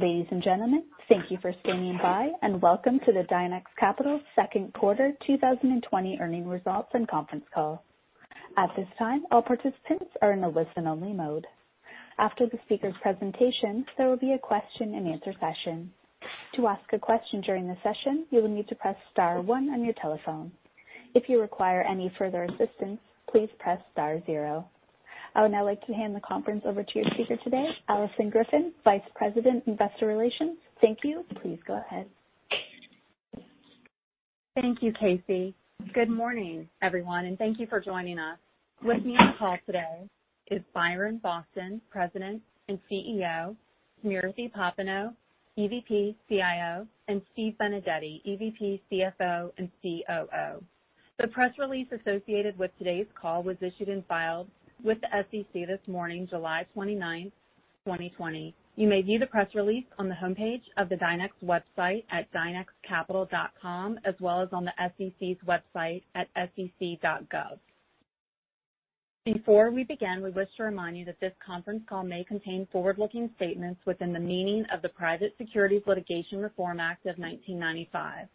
Ladies and gentlemen, thank you for standing by and welcome to the Dynex Capital Second Quarter 2020 Earnings Results and Conference Call. At this time, all participants are in a listen-only mode. After the speaker's presentation, there will be a question-and-answer session. To ask a question during the session, you will need to press star one on your telephone. If you require any further assistance, please press star zero. I would now like to hand the conference over to your speaker today, Alison Griffin, Vice President, Investor Relations. Thank you. Please go ahead. Thank you, Casey. Good morning, everyone. Thank you for joining us. With me on the call today is Byron Boston, President and CEO, Smriti Popenoe, EVP, CIO, Steve Benedetti, EVP, CFO, and COO. The press release associated with today's call was issued, filed with the SEC this morning, July 29th, 2020. You may view the press release on the homepage of the Dynex website at dynexcapital.com, as well as on the SEC's website at sec.gov. Before we begin, we wish to remind you that this conference call may contain forward-looking statements within the meaning of the Private Securities Litigation Reform Act of 1995.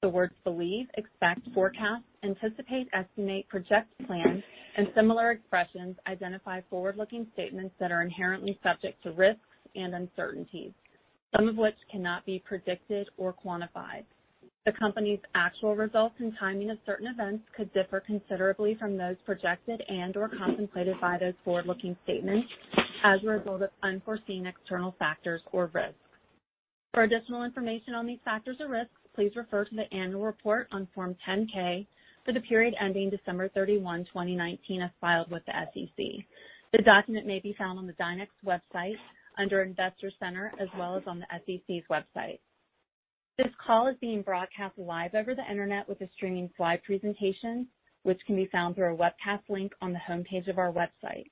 The words believe, expect, forecast, anticipate, estimate, project, plan, and similar expressions identify forward-looking statements that are inherently subject to risks and uncertainties. Some of which cannot be predicted or quantified. The company's actual results and timing of certain events could differ considerably from those projected and/or contemplated by those forward-looking statements as a result of unforeseen external factors or risks. For additional information on these factors or risks, please refer to the annual report on Form 10-K for the period ending December 31, 2019, as filed with the SEC. The document may be found on the Dynex website under Investor Center as well as on the SEC's website. This call is being broadcast live over the internet with a streaming slide presentation, which can be found through our webcast link on the homepage of our website.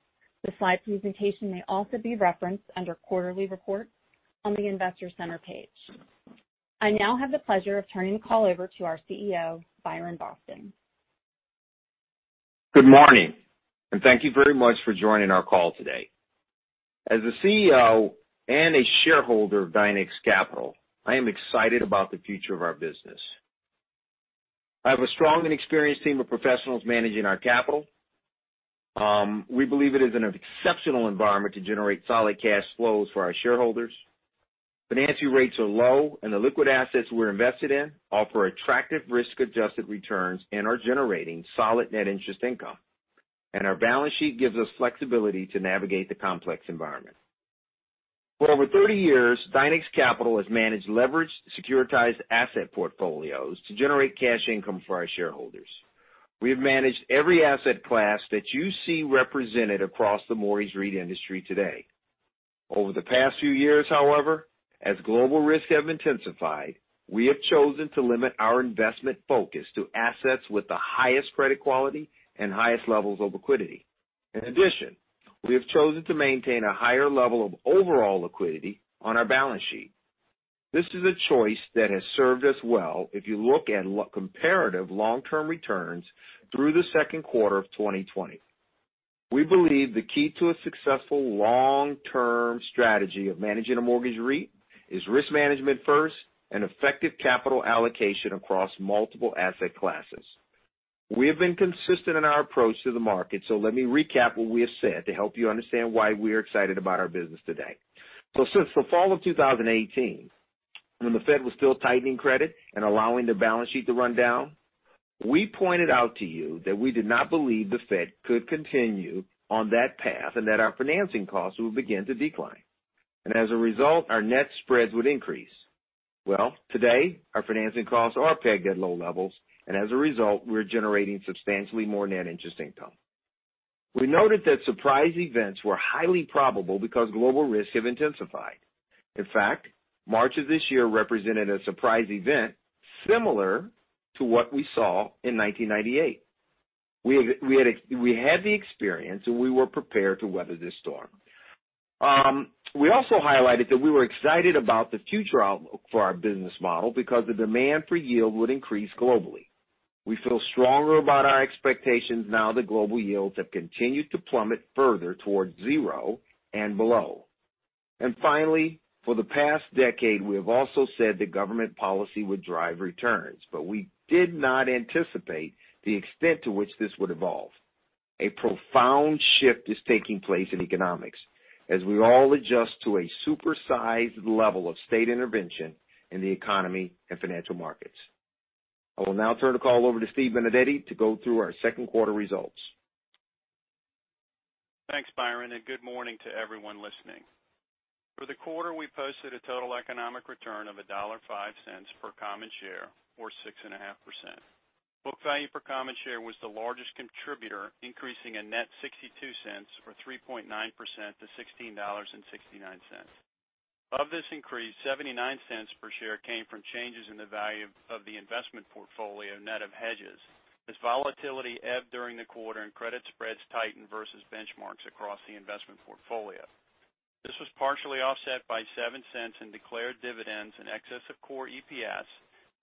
The slide presentation may also be referenced under Quarterly Reports on the Investor Center page. I now have the pleasure of turning the call over to our CEO, Byron Boston. Good morning, and thank you very much for joining our call today. As the CEO and a shareholder of Dynex Capital, I am excited about the future of our business. I have a strong and experienced team of professionals managing our capital. We believe it is an exceptional environment to generate solid cash flows for our shareholders. Financing rates are low, and the liquid assets we're invested in offer attractive risk-adjusted returns and are generating solid net interest income. Our balance sheet gives us flexibility to navigate the complex environment. For over 30 years, Dynex Capital has managed leveraged securitized asset portfolios to generate cash income for our shareholders. We have managed every asset class that you see represented across the mortgage REIT industry today. Over the past few years, however, as global risks have intensified, we have chosen to limit our investment focus to assets with the highest credit quality and highest levels of liquidity. In addition, we have chosen to maintain a higher level of overall liquidity on our balance sheet. This is a choice that has served us well if you look at comparative long-term returns through the second quarter of 2020. We believe the key to a successful long-term strategy of managing a mortgage REIT is risk management first and effective capital allocation across multiple asset classes. We have been consistent in our approach to the market. Let me recap what we have said to help you understand why we are excited about our business today. Since the fall of 2018, when the Fed was still tightening credit and allowing the balance sheet to run down, we pointed out to you that we did not believe the Fed could continue on that path and that our financing costs would begin to decline. As a result, our net spreads would increase. Well, today, our financing costs are pegged at low levels, and as a result, we're generating substantially more net interest income. We noted that surprise events were highly probable because global risks have intensified. In fact, March of this year represented a surprise event similar to what we saw in 1998. We had the experience, and we were prepared to weather this storm. We also highlighted that we were excited about the future outlook for our business model because the demand for yield would increase globally. We feel stronger about our expectations now that global yields have continued to plummet further towards 0 and below. Finally, for the past decade, we have also said that government policy would drive returns, but we did not anticipate the extent to which this would evolve. A profound shift is taking place in economics as we all adjust to a super-sized level of state intervention in the economy and financial markets. I will now turn the call over to Steve Benedetti to go through our second quarter results. Thanks, Byron. Good morning to everyone listening. For the quarter, we posted a total economic return of $1.05 per common share or 6.5%. Book value per common share was the largest contributor, increasing a net $0.62 or 3.9% to $16.69. Of this increase, $0.79 per share came from changes in the value of the investment portfolio net of hedges as volatility ebbed during the quarter and credit spreads tightened versus benchmarks across the investment portfolio. This was partially offset by $0.07 in declared dividends in excess of core EPS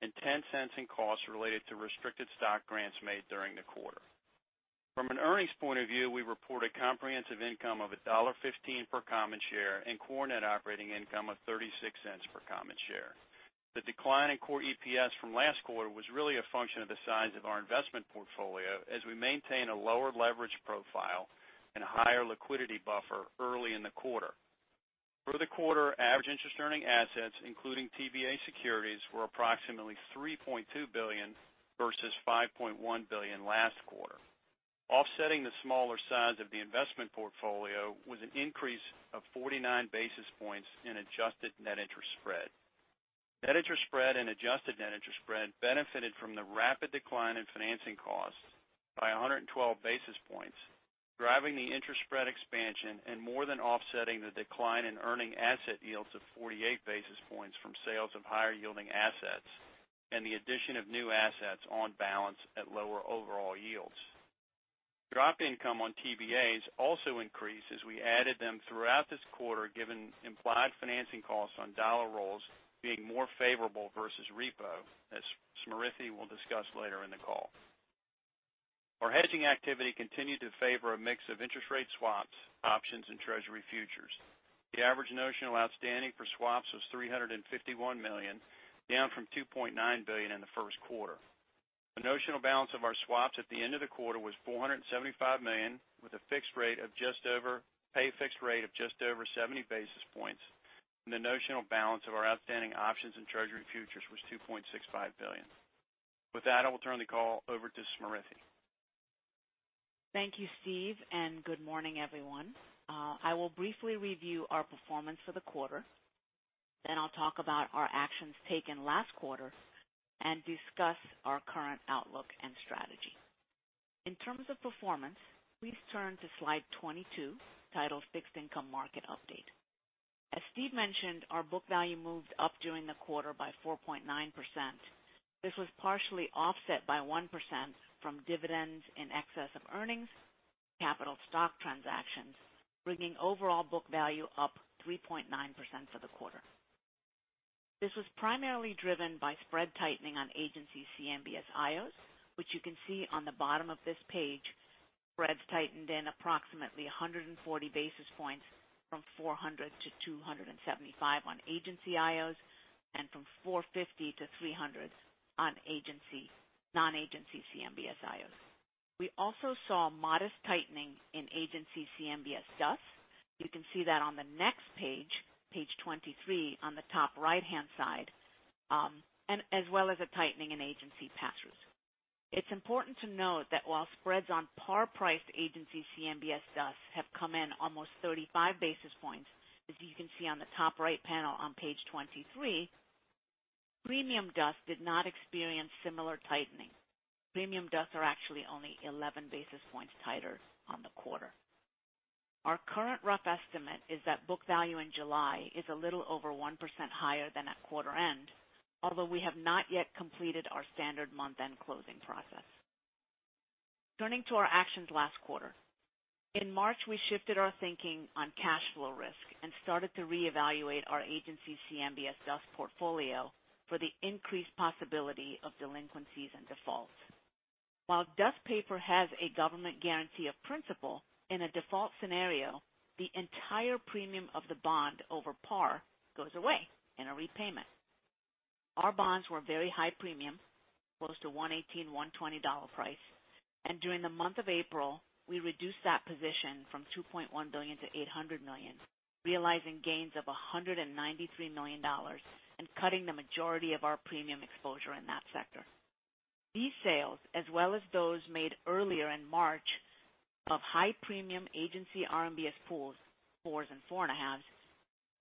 and $0.10 in costs related to restricted stock grants made during the quarter. From an earnings point of view, we report a comprehensive income of $1.15 per common share and core net operating income of $0.36 per common share. The decline in core EPS from last quarter was really a function of the size of our investment portfolio, as we maintain a lower leverage profile and a higher liquidity buffer early in the quarter. For the quarter, average interest earning assets, including TBA securities, were approximately $3.2 billion versus $5.1 billion last quarter. Offsetting the smaller size of the investment portfolio was an increase of 49 basis points in adjusted net interest spread. Net interest spread and adjusted net interest spread benefited from the rapid decline in financing costs by 112 basis points, driving the interest spread expansion and more than offsetting the decline in earning asset yields of 48 basis points from sales of higher yielding assets and the addition of new assets on balance at lower overall yields. Drop income on TBAs also increased as we added them throughout this quarter, given implied financing costs on dollar rolls being more favorable versus repo, as Smriti will discuss later in the call. Our hedging activity continued to favor a mix of interest rate swaps, options, and Treasury futures. The average notional outstanding for swaps was $351 million, down from $2.9 billion in the first quarter. The notional balance of our swaps at the end of the quarter was $475 million, with a pay fixed rate of just over 70 basis points. The notional balance of our outstanding options and Treasury futures was $2.65 billion. With that, I will turn the call over to Smriti. Thank you, Steve. Good morning, everyone. I will briefly review our performance for the quarter. I'll talk about our actions taken last quarter and discuss our current outlook and strategy. In terms of performance, please turn to slide 22, titled Fixed Income Market Update. As Steve mentioned, our book value moved up during the quarter by 4.9%. This was partially offset by 1% from dividends in excess of earnings, capital stock transactions, bringing overall book value up 3.9% for the quarter. This was primarily driven by spread tightening on Agency CMBS IOs, which you can see on the bottom of this page. Spreads tightened in approximately 140 basis points from 400 basis points to 275 basis points on Agency IOs and from 450 basis points to 300 basis points on non-Agency CMBS IOs. We also saw modest tightening in Agency CMBS DUS. You can see that on the next page 23, on the top right-hand side, as well as a tightening in agency pass-throughs. It's important to note that while spreads on par priced Agency CMBS DUS have come in almost 35 basis points, as you can see on the top right panel on page 23, Premium DUS did not experience similar tightening. Premium DUS are actually only 11 basis points tighter on the quarter. Our current rough estimate is that book value in July is a little over 1% higher than at quarter end, although we have not yet completed our standard month-end closing process. Turning to our actions last quarter. In March, we shifted our thinking on cash flow risk and started to reevaluate our Agency CMBS DUS portfolio for the increased possibility of delinquencies and defaults. While DUS paper has a government guarantee of principal, in a default scenario, the entire premium of the bond over par goes away in a repayment. Our bonds were very high premium, close to $118, $120 price. During the month of April, we reduced that position from $2.1 billion to $800 million, realizing gains of $193 million and cutting the majority of our premium exposure in that sector. These sales, as well as those made earlier in March of high premium Agency RMBS pools, 4s and 4.5s,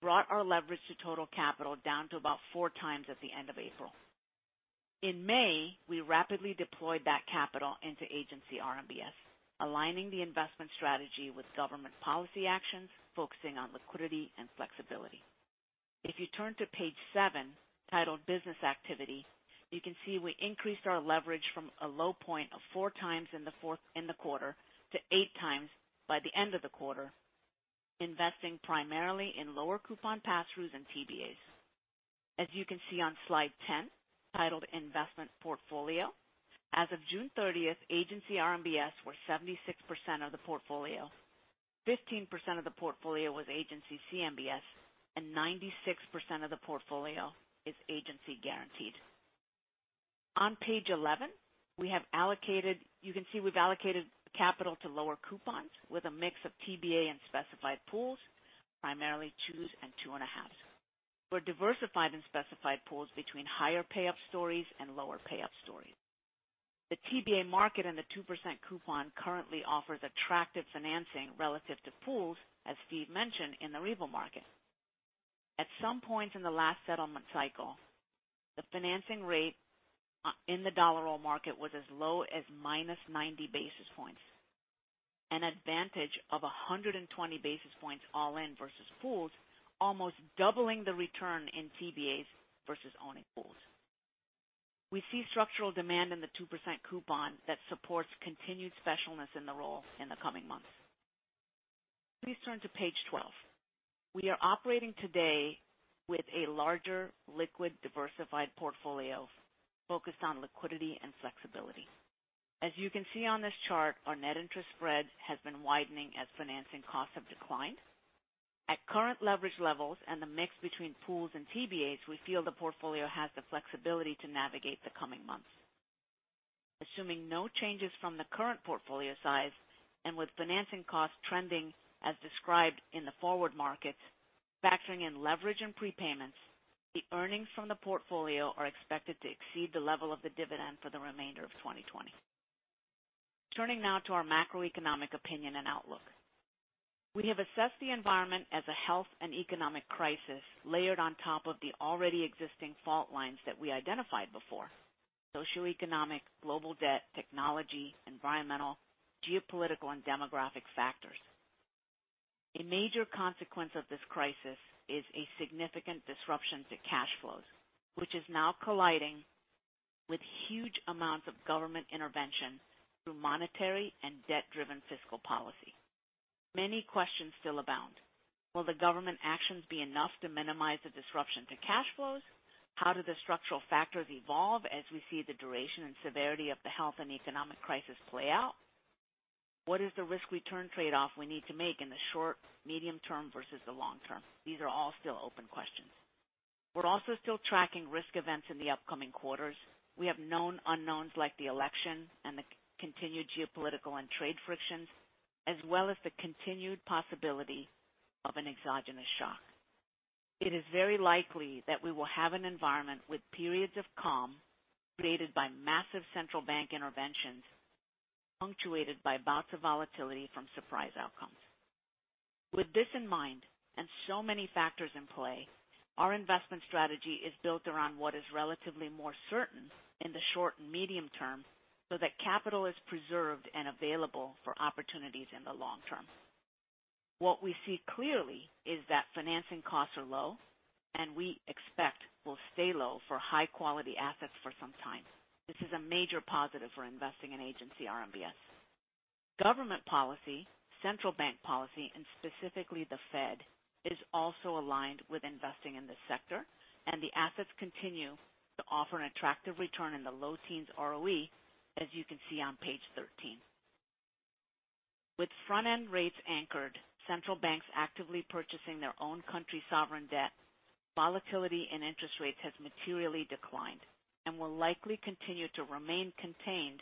brought our leverage to total capital down to 4x at the end of April. In May, we rapidly deployed that capital into Agency RMBS, aligning the investment strategy with government policy actions focusing on liquidity and flexibility. If you turn to page seven, titled Business Activity, you can see we increased our leverage from a low point of 4x in the quarter to 8x by the end of the quarter, investing primarily in lower coupon pass-throughs and TBAs. As you can see on slide 10, titled Investment Portfolio, as of June 30th, Agency RMBS were 76% of the portfolio, 15% of the portfolio was Agency CMBS, and 96% of the portfolio is agency guaranteed. On page 11, you can see we've allocated capital to lower coupons with a mix of TBA and specified pools, primarily 2s and 2.5s. We're diversified in specified pools between higher payoff stories and lower payoff stories. The TBA market and the 2% coupon currently offers attractive financing relative to pools, as Steve mentioned, in the repo market. At some point in the last settlement cycle, the financing rate in the dollar roll market was as low as -90 basis points, an advantage of 120 basis points all in versus pools, almost doubling the return in TBAs versus owning pools. We see structural demand in the 2% coupon that supports continued specialness in the roll in the coming months. Please turn to page 12. We are operating today with a larger liquid diversified portfolio focused on liquidity and flexibility. As you can see on this chart, our net interest spread has been widening as financing costs have declined. At current leverage levels and the mix between pools and TBAs, we feel the portfolio has the flexibility to navigate the coming months. Assuming no changes from the current portfolio size and with financing costs trending as described in the forward markets, factoring in leverage and prepayments, the earnings from the portfolio are expected to exceed the level of the dividend for the remainder of 2020. Turning now to our macroeconomic opinion and outlook. We have assessed the environment as a health and economic crisis layered on top of the already existing fault lines that we identified before, socioeconomic, global debt, technology, environmental, geopolitical, and demographic factors. A major consequence of this crisis is a significant disruption to cash flows, which is now colliding with huge amounts of government intervention through monetary and debt-driven fiscal policy. Many questions still abound. Will the government actions be enough to minimize the disruption to cash flows? How do the structural factors evolve as we see the duration and severity of the health and economic crisis play out? What is the risk-return trade-off we need to make in the short, medium term versus the long term? These are all still open questions. We're also still tracking risk events in the upcoming quarters. We have known unknowns like the election and the continued geopolitical and trade frictions, as well as the continued possibility of an exogenous shock. It is very likely that we will have an environment with periods of calm created by massive central bank interventions, punctuated by bouts of volatility from surprise outcomes. With this in mind and so many factors in play, our investment strategy is built around what is relatively more certain in the short and medium term so that capital is preserved and available for opportunities in the long term. What we see clearly is that financing costs are low, and we expect will stay low for high-quality assets for some time. This is a major positive for investing in Agency RMBS. Government policy, central bank policy, and specifically the Fed, is also aligned with investing in this sector, and the assets continue to offer an attractive return in the low teens ROE, as you can see on page 13. With front-end rates anchored, central banks actively purchasing their own country sovereign debt, volatility in interest rates has materially declined and will likely continue to remain contained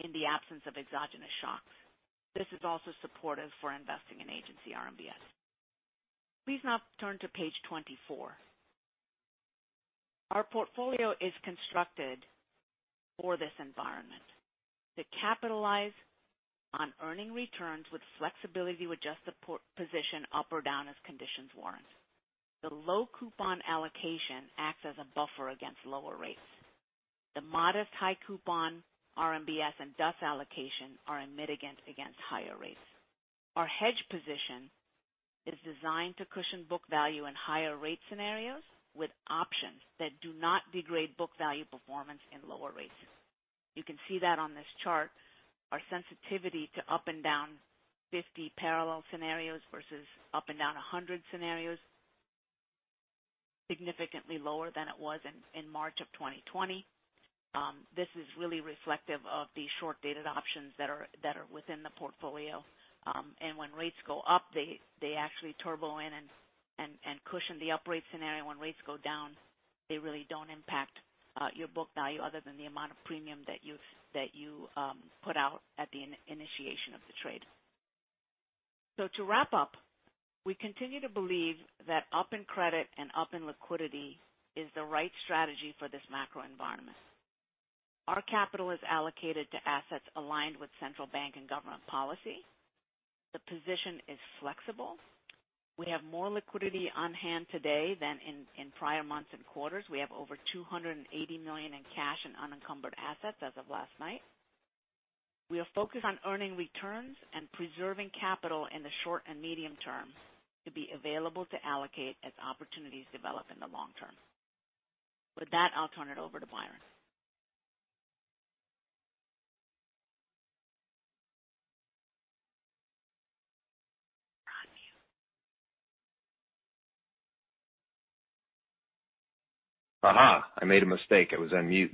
in the absence of exogenous shocks. This is also supportive for investing in Agency RMBS. Please now turn to page 24. Our portfolio is constructed for this environment to capitalize on earning returns with flexibility to adjust the position up or down as conditions warrant. The low coupon allocation acts as a buffer against lower rates. The modest high coupon RMBS and DUS allocation are a mitigant against higher rates. Our hedge position is designed to cushion book value and higher rate scenarios pratwith options that do not degrade book value performance in lower rates. You can see that on this chart, our sensitivity to up and down 50 parallel scenarios versus up and down 100 scenarios, significantly lower than it was in March of 2020. This is really reflective of the short-dated options that are within the portfolio. When rates go up, they actually turbo in and cushion the up-rate scenario. When rates go down, they really don't impact your book value other than the amount of premium that you put out at the initiation of the trade. To wrap up, we continue to believe that up in credit and up in liquidity is the right strategy for this macro environment. Our capital is allocated to assets aligned with central bank and government policy. The position is flexible. We have more liquidity on hand today than in prior months and quarters. We have over $280 million in cash and unencumbered assets as of last night. We are focused on earning returns and preserving capital in the short and medium term to be available to allocate as opportunities develop in the long term. With that, I'll turn it over to Byron. You're on mute. I made a mistake. I was on mute.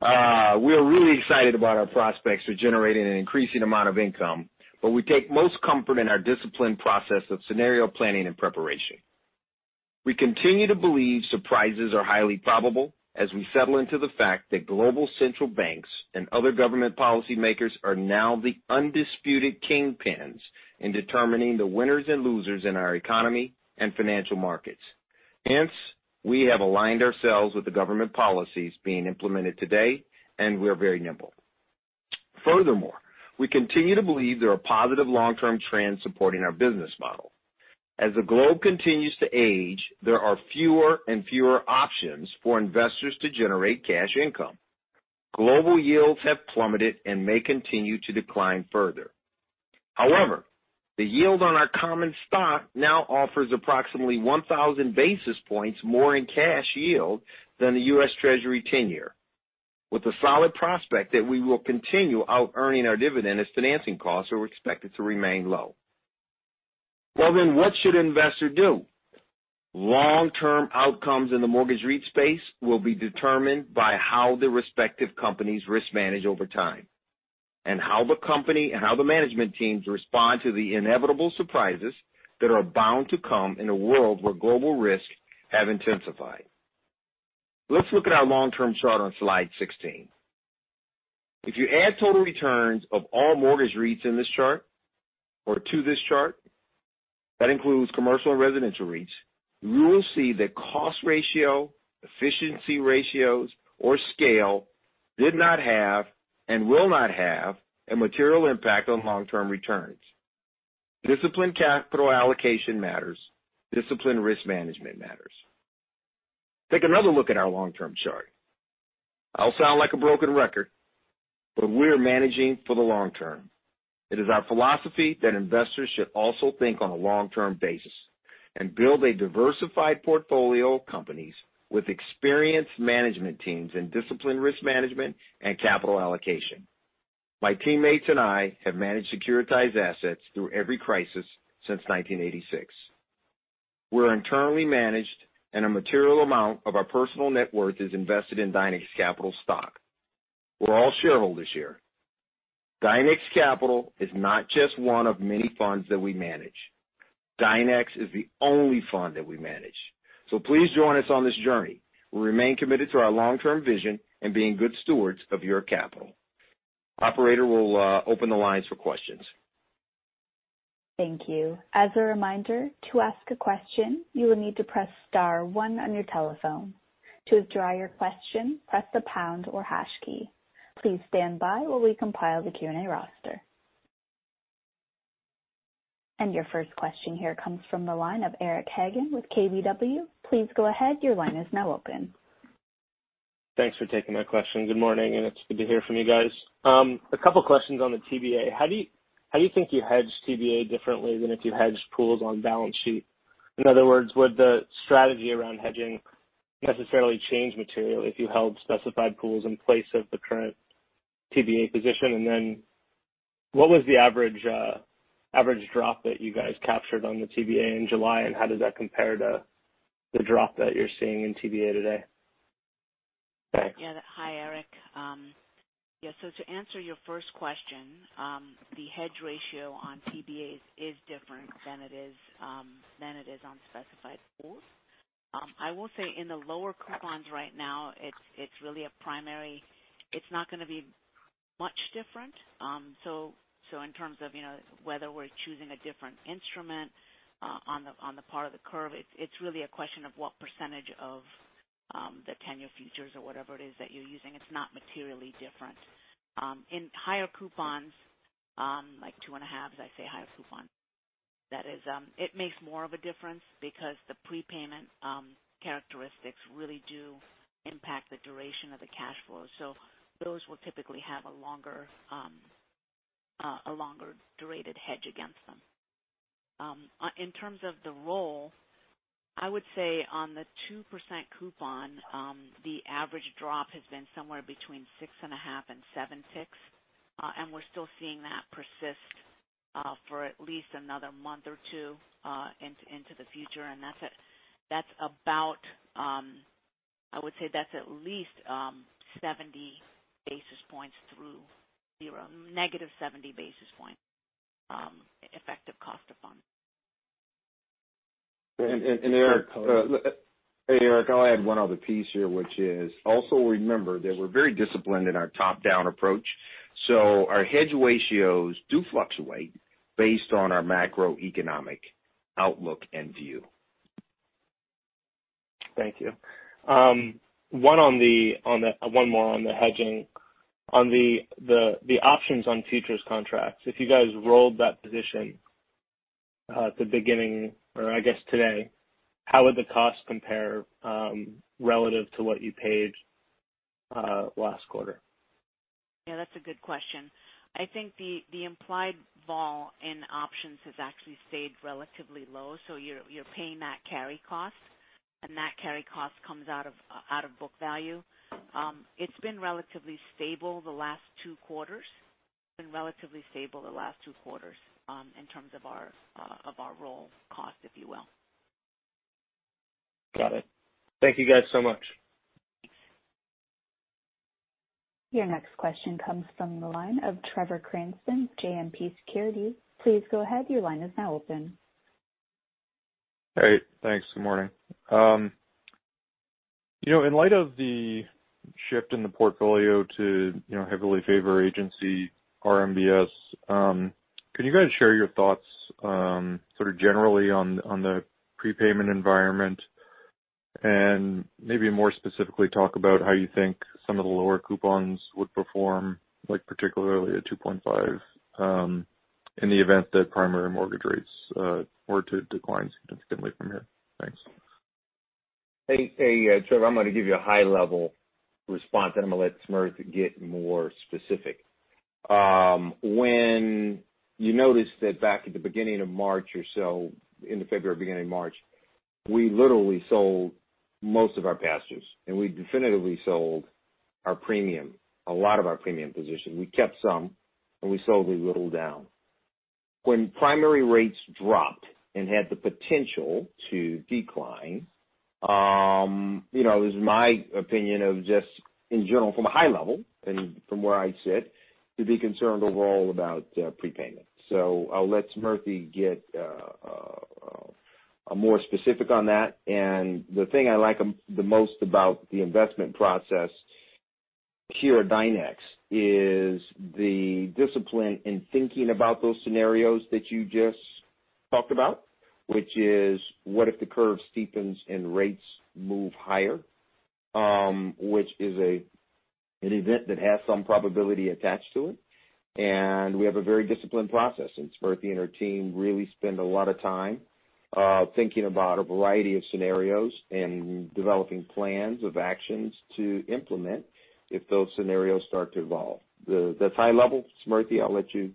We are really excited about our prospects for generating an increasing amount of income, but we take most comfort in our disciplined process of scenario planning and preparation. We continue to believe surprises are highly probable as we settle into the fact that global central banks and other government policymakers are now the undisputed kingpins in determining the winners and losers in our economy and financial markets. Hence, we have aligned ourselves with the government policies being implemented today, and we're very nimble. Furthermore, we continue to believe there are positive long-term trends supporting our business model. As the globe continues to age, there are fewer and fewer options for investors to generate cash income. Global yields have plummeted and may continue to decline further. However, the yield on our common stock now offers approximately 1,000 basis points more in cash yield than the U.S. Treasury 10-year. With a solid prospect that we will continue outearning our dividend as financing costs are expected to remain low. Well, what should an investor do? Long-term outcomes in the mortgage REIT space will be determined by how the respective companies risk manage over time, and how the management teams respond to the inevitable surprises that are bound to come in a world where global risks have intensified. Let's look at our long-term chart on slide 16. If you add total returns of all mortgage REITs in this chart or to this chart, that includes commercial and residential REITs, you will see that cost ratio, efficiency ratios, or scale did not have and will not have a material impact on long-term returns. Disciplined capital allocation matters. Disciplined risk management matters. Take another look at our long-term chart. I'll sound like a broken record. We're managing for the long term. It is our philosophy that investors should also think on a long-term basis and build a diversified portfolio of companies with experienced management teams in disciplined risk management and capital allocation. My teammates and I have managed securitized assets through every crisis since 1986. We're internally managed and a material amount of our personal net worth is invested in Dynex Capital stock. We're all shareholders here. Dynex Capital is not just one of many funds that we manage. Dynex is the only fund that we manage. Please join us on this journey. We remain committed to our long-term vision and being good stewards of your capital. Operator, we'll open the lines for questions. Thank you. As a reminder, to ask a question, you will need to press star one on your telephone. To withdraw your question, press the pound or hash key. Please stand by while we compile the Q&A roster. Your first question here comes from the line of Eric Hagen with KBW. Please go ahead. Your line is now open. Thanks for taking my question. Good morning, and it's good to hear from you guys. Two questions on the TBA. How do you think you hedge TBA differently than if you hedged pools on balance sheet? In other words, would the strategy around hedging necessarily change materially if you held specified pools in place of the current TBA position? What was the average drop that you guys captured on the TBA in July, and how does that compare to the drop that you're seeing in TBA today? Thanks. Yeah. Hi, Eric. To answer your first question, the hedge ratio on TBAs is different than it is on specified pools. I will say in the lower coupons right now, it's not going to be much different. In terms of whether we're choosing a different instrument on the part of the curve, it's really a question of what percentage of the Treasury futures or whatever it is that you're using. It's not materially different. In higher coupons, like 2.5%, as I say, higher coupon. That is, it makes more of a difference because the prepayment characteristics really do impact the duration of the cash flow. Those will typically have a longer durated hedge against them. In terms of the roll, I would say on the 2% coupon, the average drop has been somewhere between 6.5% and 7.6%, and we're still seeing that persist for at least another month or two into the future. I would say that's at least 70 basis points through 0, -70 basis point effective cost of funds. Eric, I'll add one other piece here, which is also remember that we're very disciplined in our top-down approach, so our hedge ratios do fluctuate based on our macroeconomic outlook and view. Thank you. One more on the hedging. On the options on futures contracts, if you guys rolled that position at the beginning, or I guess today, how would the cost compare relative to what you paid last quarter? Yeah, that's a good question. I think the implied vol in options has actually stayed relatively low, so you're paying that carry cost, and that carry cost comes out of book value. It's been relatively stable the last two quarters in terms of our roll cost, if you will. Got it. Thank you guys so much. Your next question comes from the line of Trevor Cranston, JMP Securities. Please go ahead. Your line is now open. Great. Thanks. Good morning. In light of the shift in the portfolio to heavily favor Agency RMBS, can you guys share your thoughts sort of generally on the prepayment environment and maybe more specifically talk about how you think some of the lower coupons would perform, like particularly at 2.5%, in the event that primary mortgage rates were to decline significantly from here? Thanks. Hey, Trevor. I'm going to give you a high-level response, then I'm going to let Smriti get more specific. You notice that back at the beginning of March or so, end of February, beginning of March, we literally sold most of our pass-throughs, and we definitively sold our premium, a lot of our premium position. We kept some, and we sold a little down. When primary rates dropped and had the potential to decline, it was my opinion of just in general from a high level and from where I sit to be concerned overall about prepayment. I'll let Smriti get more specific on that. The thing I like the most about the investment process here at Dynex is the discipline in thinking about those scenarios that you just talked about, which is, what if the curve steepens and rates move higher, which is an event that has some probability attached to it. We have a very disciplined process, and Smriti and her team really spend a lot of time thinking about a variety of scenarios and developing plans of actions to implement if those scenarios start to evolve. That's high level. Smriti, I'll let you-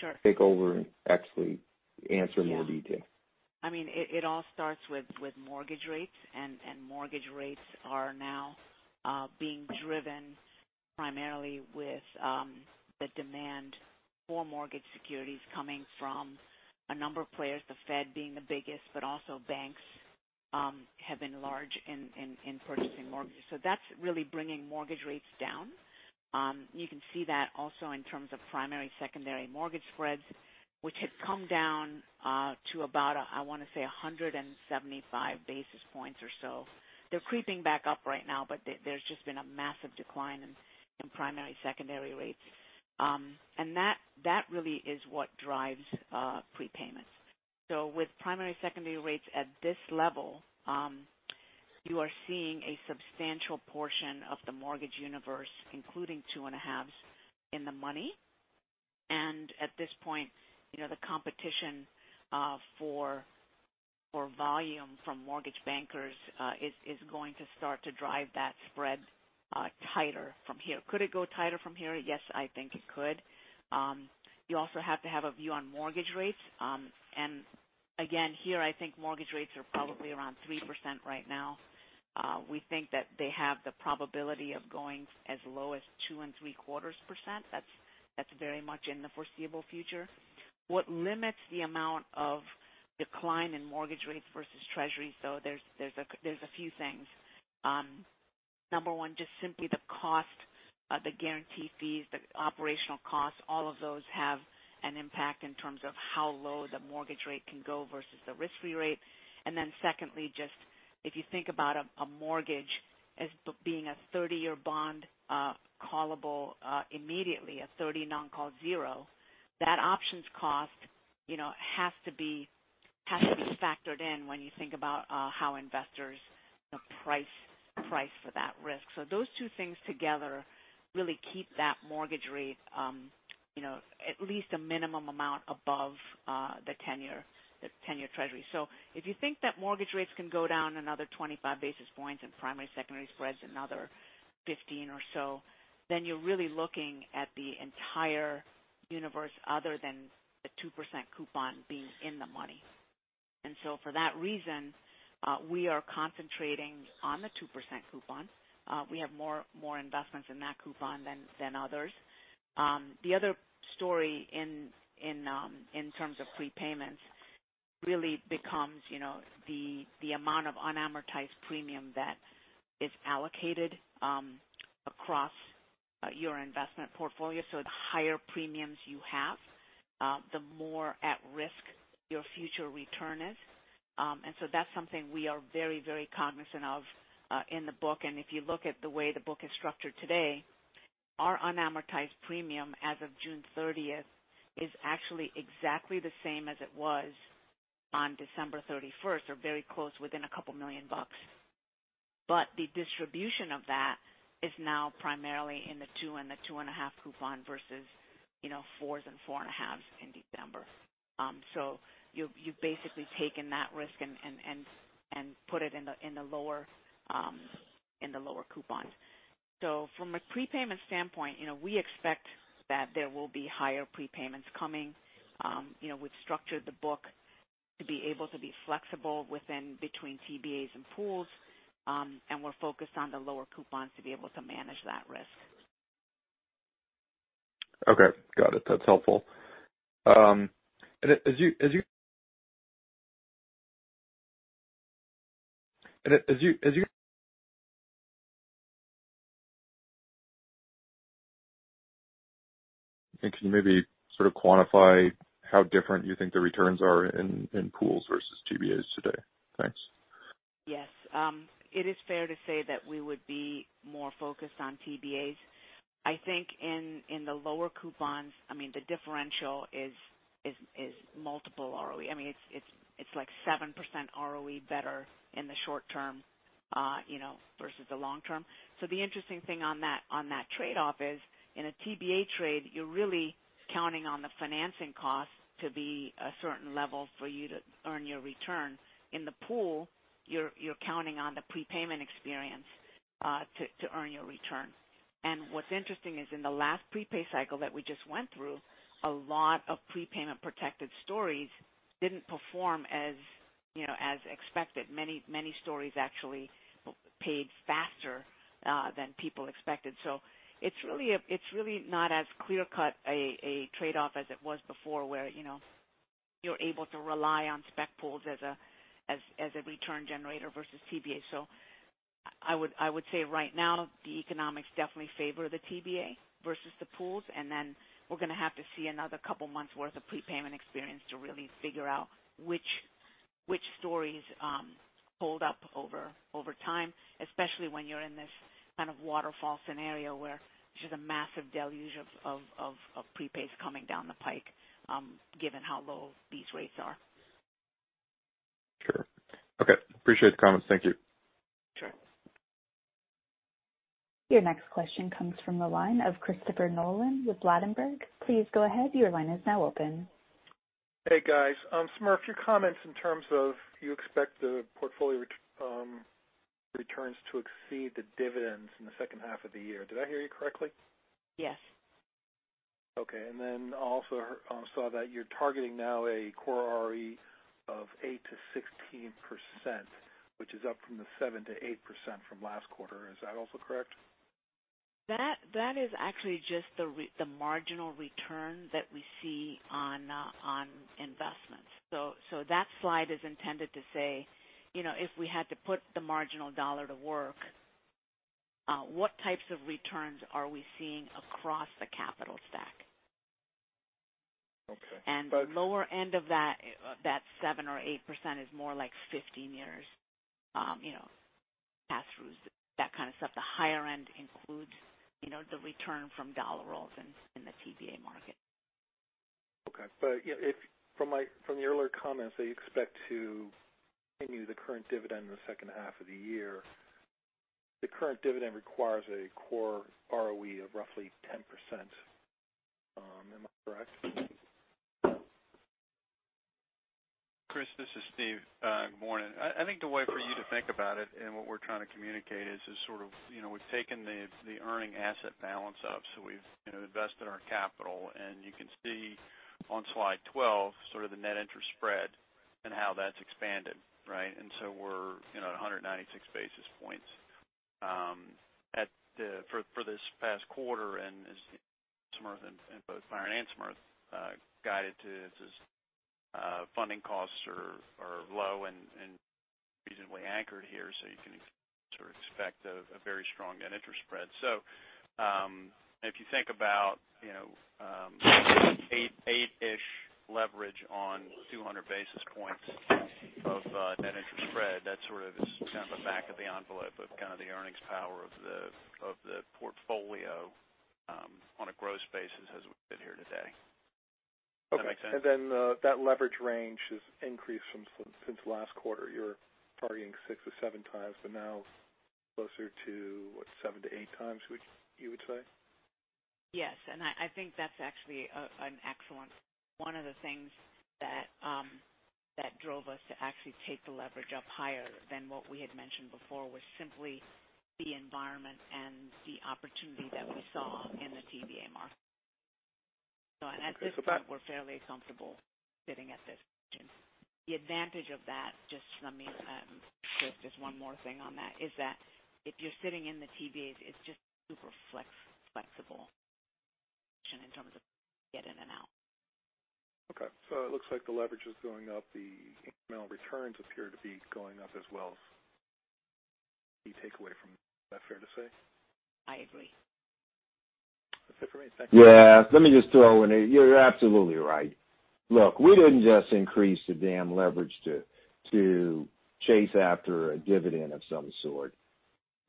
Sure. take over and actually answer in more detail. It all starts with mortgage rates, mortgage rates are now being driven primarily with the demand for mortgage securities coming from a number of players, the Fed being the biggest, but also banks have been large in purchasing mortgages. That's really bringing mortgage rates down. You can see that also in terms of primary-secondary mortgage spreads, which have come down to about, I want to say, 175 basis points or so. They're creeping back up right now, there's just been a massive decline in primary, secondary rates. That really is what drives prepayments. With primary, secondary rates at this level, you are seeing a substantial portion of the mortgage universe, including [2.5s] in the money. At this point, the competition for volume from mortgage bankers is going to start to drive that spread tighter from here. Could it go tighter from here? Yes, I think it could. You also have to have a view on mortgage rates. Again, here, I think mortgage rates are probably around 3% right now. We think that they have the probability of going as low as 2.75%. That's very much in the foreseeable future. What limits the amount of decline in mortgage rates versus Treasury, there's a few things. Number one, just simply the cost of the guarantee fees, the operational costs, all of those have an impact in terms of how low the mortgage rate can go versus the risk-free rate. Secondly, just if you think about a mortgage as being a 30-year bond callable immediately, a 30 non-call zero, that options cost has to be factored in when you think about how investors price for that risk. Those two things together really keep that mortgage rate at least a minimum amount above the 10-year Treasury. If you think that mortgage rates can go down another 25 basis points and primary, secondary spreads another 15 or so, then you're really looking at the entire universe other than the 2% coupon being in the money. For that reason, we are concentrating on the 2% coupon. We have more investments in that coupon than others. The other story in terms of prepayments really becomes the amount of unamortized premium that is allocated across your investment portfolio. The higher premiums you have, the more at risk your future return is. That's something we are very, very cognizant of in the book. If you look at the way the book is structured today, our unamortized premium as of June 30th is actually exactly the same as it was on December 31st, or very close within a couple million dollars. The distribution of that is now primarily in the 2 and the 2.5 coupon versus 4s and 4.5s in December. You've basically taken that risk and put it in the lower coupon. From a prepayment standpoint, we expect that there will be higher prepayments coming. We've structured the book to be able to be flexible within between TBAs and pools, and we're focused on the lower coupons to be able to manage that risk. Okay. Got it. That's helpful. Can you maybe sort of quantify how different you think the returns are in pools versus TBAs today? Thanks. Yes. It is fair to say that we would be more focused on TBAs. I think in the lower coupons, the differential is multiple ROE. It's like 7% ROE better in the short term versus the long term. The interesting thing on that trade-off is in a TBA trade, you're really counting on the financing costs to be a certain level for you to earn your return. In the pool, you're counting on the prepayment experience to earn your return. What's interesting is in the last prepay cycle that we just went through, a lot of prepayment-protected stories didn't perform as expected. Many stories actually paid faster than people expected. It's really not as clear-cut a trade-off as it was before, where you're able to rely on spec pools as a return generator versus TBA. I would say right now, the economics definitely favor the TBA versus the pools, and then we're going to have to see another couple months' worth of prepayment experience to really figure out which stories hold up over time, especially when you're in this kind of waterfall scenario where just a massive deluge of prepays coming down the pike, given how low these rates are. Sure. Okay. Appreciate the comments. Thank you. Sure. Your next question comes from the line of Christopher Nolan with Ladenburg. Please go ahead. Your line is now open. Hey, guys. Smriti, your comments in terms of you expect the portfolio returns to exceed the dividends in the second half of the year. Did I hear you correctly? Yes. Okay. Also saw that you're targeting now a core ROE of 8%-16%, which is up from the 7%-8% from last quarter. Is that also correct? That is actually just the marginal return that we see on investments. That slide is intended to say, if we had to put the marginal dollar to work, what types of returns are we seeing across the capital stack? Okay. Lower end of that 7% or 8% is more like 15 years, pass-throughs, that kind of stuff. The higher end includes the return from dollar rolls in the TBA market. Okay. From your earlier comments that you expect to pay me the current dividend in the second half of the year, the current dividend requires a core ROE of roughly 10%. Am I correct? Chris, this is Steve. Good morning. I think the way for you to think about it and what we're trying to communicate is we've taken the earning asset balance up. We've invested our capital, and you can see on slide 12, sort of the net interest spread and how that's expanded. Right? We're at 196 basis points for this past quarter, and as both Byron and Smriti guided to, funding costs are low and reasonably anchored here, you can sort of expect a very strong net interest spread. If you think about 8-ish leverage on 200 basis points of net interest spread, that sort of is kind of a back of the envelope of kind of the earnings power of the portfolio on a gross basis as we sit here today. Does that make sense? Okay. That leverage range has increased since last quarter. You're targeting 6x or 7x, but now closer to what, 7x-8x, you would say? Yes. I think that's actually an excellent One of the things that drove us to actually take the leverage up higher than what we had mentioned before was simply the environment and the opportunity that we saw in the TBA market. Okay. At this point, we're fairly comfortable sitting at this. The advantage of that, Chris, just one more thing on that, is that if you're sitting in the TBAs, it's just super flexible in terms of get in and out. Okay. It looks like the leverage is going up. The incremental returns appear to be going up as well as we take away from. Is that fair to say? I agree. That's it for me. Thank you. Yeah. Let me just throw in. You're absolutely right. Look, we didn't just increase the damn leverage to chase after a dividend of some sort.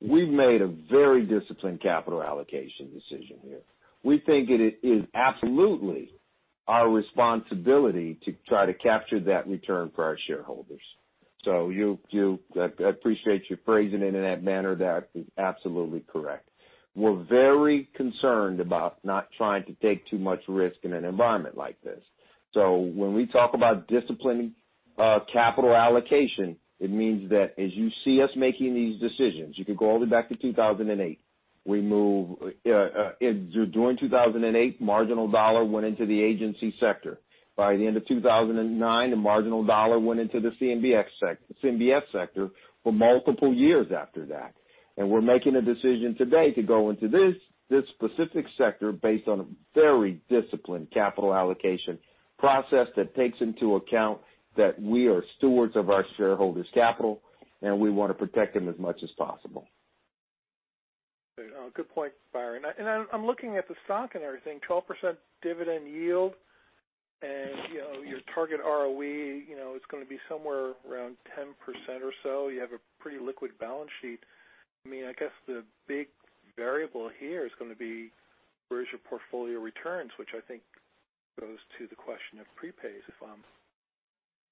We've made a very disciplined capital allocation decision here. We think it is absolutely our responsibility to try to capture that return for our shareholders. I appreciate you phrasing it in that manner. That is absolutely correct. We're very concerned about not trying to take too much risk in an environment like this. When we talk about disciplined capital allocation, it means that as you see us making these decisions, you could go all the way back to 2008. During 2008, marginal dollar went into the Agency sector. By the end of 2009, the marginal dollar went into the CMBS sector for multiple years after that. We're making a decision today to go into this specific sector based on a very disciplined capital allocation process that takes into account that we are stewards of our shareholders' capital, and we want to protect them as much as possible. Good point, Byron. I'm looking at the stock and everything, 12% dividend yield, and your target ROE, it's going to be somewhere around 10% or so. You have a pretty liquid balance sheet. I guess the big variable here is going to be where is your portfolio returns, which I think goes to the question of prepays, if I'm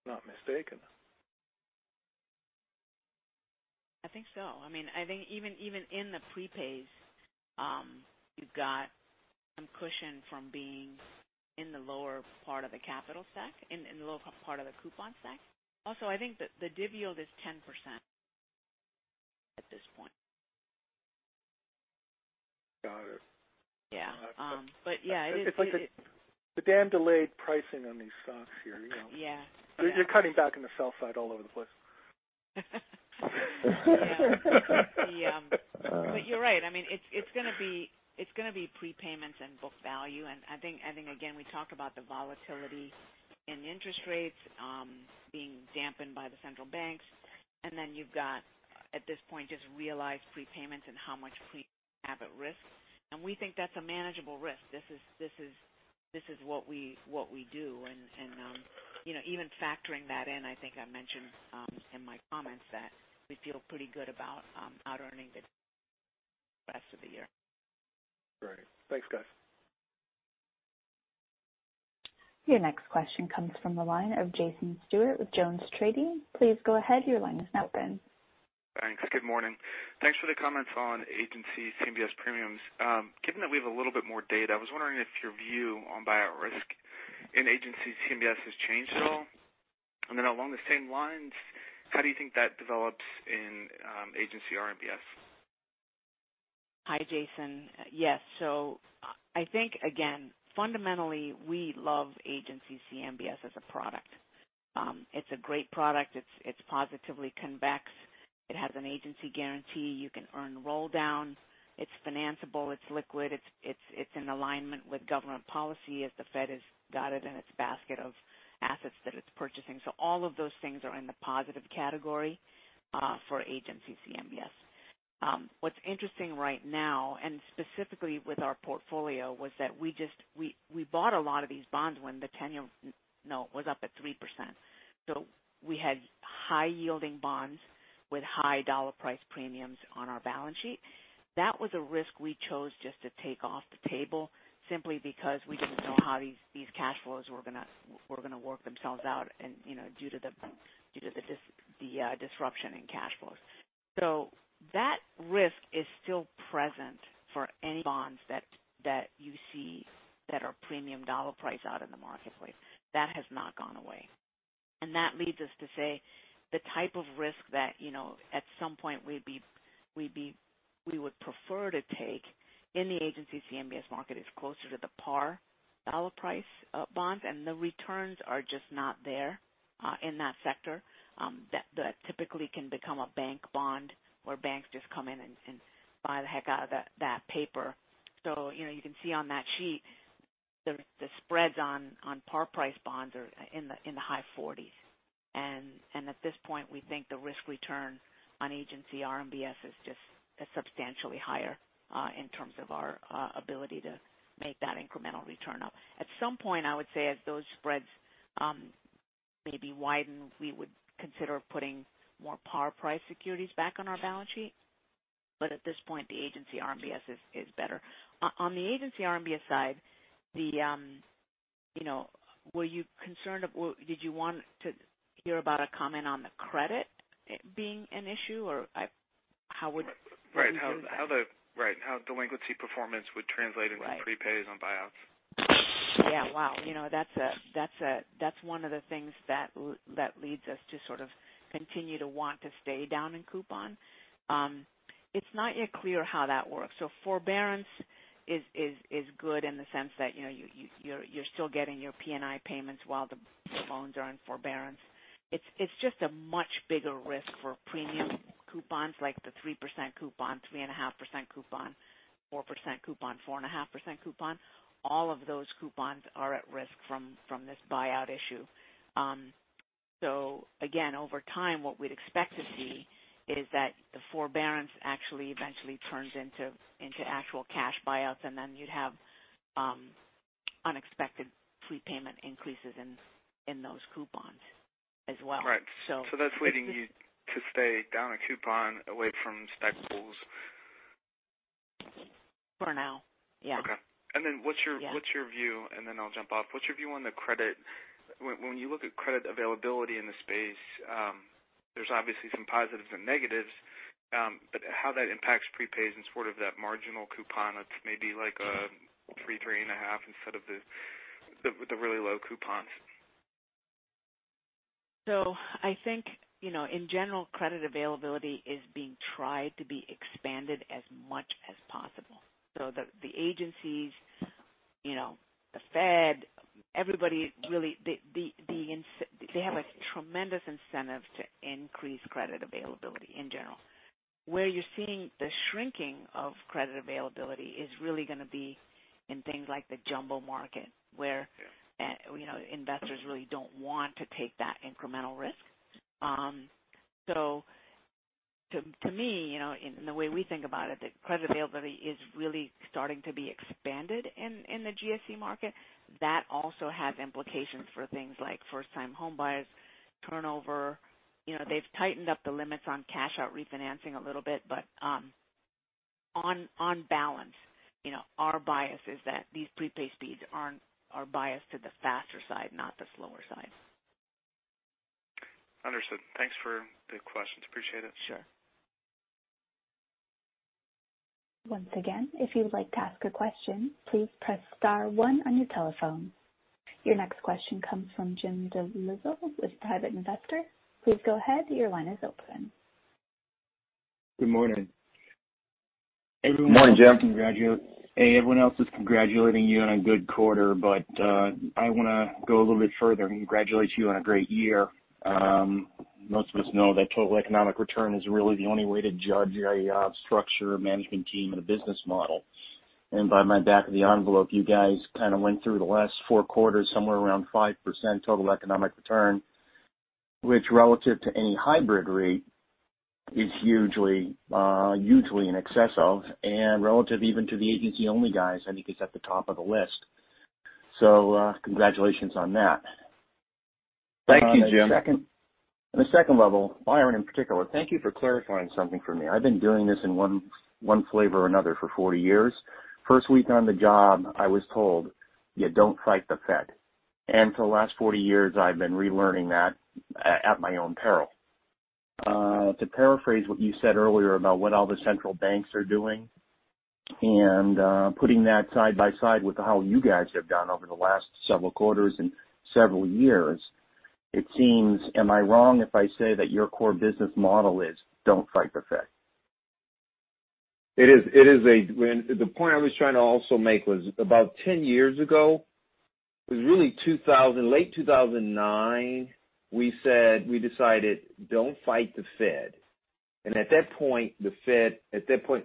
not mistaken. I think so. I think even in the prepays, you've got some cushion from being in the lower part of the capital stack, in the lower part of the coupon stack. Also, I think that the div yield is 10% at this point. Got it. Yeah. Yeah. It's like the damn delayed pricing on these stocks here. Yeah. You're cutting back on the sell side all over the place. You're right. It's going to be prepayments and book value. I think, again, we talked about the volatility in interest rates being dampened by the central banks. You've got, at this point, just realized prepayments and how much we have at risk. We think that's a manageable risk. This is what we do. Even factoring that in, I think I mentioned in my comments that we feel pretty good about out-earning the rest of the year. Great. Thanks, guys. Your next question comes from the line of Jason Stewart with Jones Trading. Please go ahead. Your line is now open. Thanks. Good morning. Thanks for the comments on Agency CMBS premiums. Given that we have a little bit more data, I was wondering if your view on buyout risk in Agency CMBS has changed at all? Then along the same lines, how do you think that develops in Agency RMBS? Hi, Jason. Yes. I think, again, fundamentally, we love Agency CMBS as a product. It's a great product. It's positively convex. It has an Agency guarantee. You can earn roll down. It's financeable, it's liquid. It's in alignment with government policy as the Fed has got it in its basket of assets that it's purchasing. All of those things are in the positive category for Agency CMBS. What's interesting right now, and specifically with our portfolio, was that we bought a lot of these bonds when the 10-year note was up at 3%. We had high-yielding bonds with high dollar price premiums on our balance sheet. That was a risk we chose just to take off the table simply because we didn't know how these cash flows were going to work themselves out and due to the disruption in cash flows. That risk is still present for any bonds that you see that are premium dollar price out in the marketplace. That has not gone away. That leads us to say the type of risk that, at some point, we would prefer to take in the Agency CMBS market is closer to the par dollar price bonds, and the returns are just not there in that sector. That typically can become a bank bond where banks just come in and buy the heck out of that paper. You can see on that sheet the spreads on par price bonds are in the high 40s. At this point, we think the risk return on Agency RMBS is just substantially higher in terms of our ability to make that incremental return up. At some point, I would say as those spreads maybe widen, we would consider putting more par price securities back on our balance sheet. At this point, the Agency RMBS is better. On the Agency RMBS side, did you want to hear about a comment on the credit being an issue? How would- Right. How the delinquency performance would translate into prepays on buyouts. Yeah. Wow. That's one of the things that leads us to sort of continue to want to stay down in coupon. It's not yet clear how that works. Forbearance is good in the sense that you're still getting your P&I payments while the loans are in forbearance. It's just a much bigger risk for premium coupons like the 3% coupon, 3.5% coupon, 4% coupon, 4.5% coupon. All of those coupons are at risk from this buyout issue. Again, over time, what we'd expect to see is that the forbearance actually eventually turns into actual cash buyouts, and then you'd have unexpected prepayment increases in those coupons as well. Right. That's leading you to stay down a coupon away from spec pools. For now. Yeah. Okay. What's your view, and then I'll jump off. What's your view on the credit? When you look at credit availability in the space, there's obviously some positives and negatives, but how that impacts prepays and sort of that marginal coupon that's maybe like a [3%] and [3.5%] of the really low coupons. I think, in general, credit availability is being tried to be expanded as much as possible so that the agencies, the Fed, everybody really, they have a tremendous incentive to increase credit availability in general. Where you're seeing the shrinking of credit availability is really going to be in things like the jumbo market where investors really don't want to take that incremental risk. To me, in the way we think about it, the credit availability is really starting to be expanded in the GSE market. That also has implications for things like first-time home buyers turnover. They've tightened up the limits on cash-out refinancing a little bit, but on balance, our bias is that these prepay speeds are biased to the faster side, not the slower side. Understood. Thanks for the questions. Appreciate it. Sure. Once again, if you would like to ask a question, please press star one on your telephone. Your next question comes from Jim DeLisle who is Private Investor. Please go ahead. Your line is open. Good morning. Good morning, Jim. Everyone else is congratulating you on a good quarter. I want to go a little bit further and congratulate you on a great year. Most of us know that total economic return is really the only way to judge a structure, a management team, and a business model. By my back of the envelope, you guys kind of went through the last four quarters, somewhere around 5% total economic return, which relative to any hybrid REIT is hugely in excess of, and relative even to the agency-only guys, I think it's at the top of the list. Congratulations on that. Thank you, Jim. On a second level, Byron in particular, thank you for clarifying something for me. I've been doing this in one flavor or another for 40 years. First week on the job, I was told, "You don't fight the Fed." For the last 40 years, I've been relearning that at my own peril. To paraphrase what you said earlier about what all the central banks are doing and putting that side by side with how you guys have done over the last several quarters and several years, it seems, am I wrong if I say that your core business model is don't fight the Fed? The point I was trying to also make was about 10 years ago, it was really late 2009, we decided, don't fight the Fed. At that point, the Fed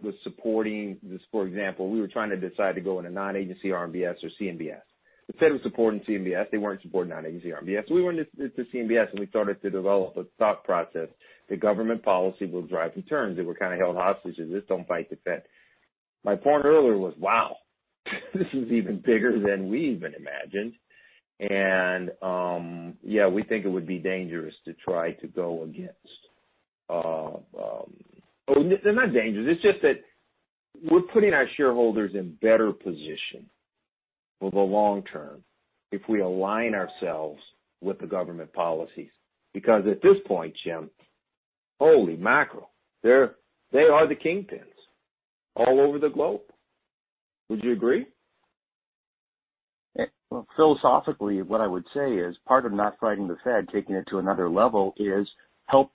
was supporting this. For example, we were trying to decide to go in a non-Agency RMBS or CMBS. The Fed was supporting CMBS. They weren't supporting non-Agency RMBS. We went into CMBS, and we started to develop a thought process that government policy will drive returns. They were kind of held hostage. It's just don't fight the Fed. My point earlier was, wow, this is even bigger than we even imagined. Yeah, we think it would be dangerous to try to go against. They're not dangerous. It's just that we're putting our shareholders in better position for the long term if we align ourselves with the government policies. At this point, Jim, holy mackerel, they are the kingpins all over the globe. Would you agree? Well, philosophically, what I would say is part of not fighting the Fed, taking it to another level is help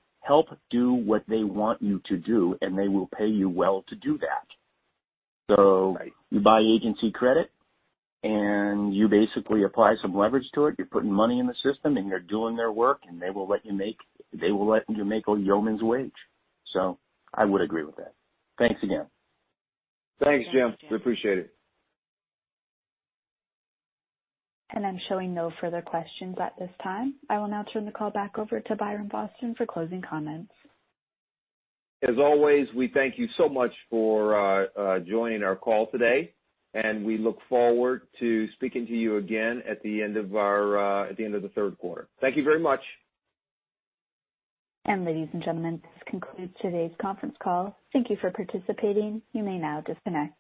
do what they want you to do. They will pay you well to do that. Right. You buy agency credit, and you basically apply some leverage to it. You're putting money in the system, and they're doing their work, and they will let you make a yeoman's wage. I would agree with that. Thanks again. Thanks, Jim. We appreciate it. I'm showing no further questions at this time. I will now turn the call back over to Byron Boston for closing comments. As always, we thank you so much for joining our call today, and we look forward to speaking to you again at the end of the third quarter. Thank you very much. Ladies and gentlemen, this concludes today's conference call. Thank you for participating. You may now disconnect.